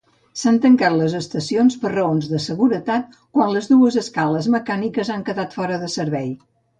S'han tancat estacions, per raons de seguretat, quan les dues escales mecàniques han quedat fora de servei.